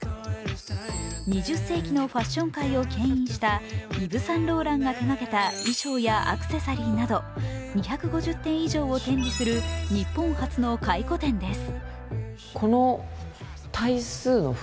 ２０世紀のファッション界をけん引したイヴ・サンローランが手がけた衣装やアクセサリーなど２５０点以上を展示する日本初の回顧展です。